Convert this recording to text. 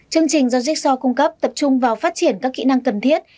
chương trình do jigsaw cung cấp tập trung vào phát triển các kỹ năng cần thiết